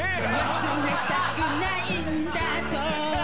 忘れたくないんだと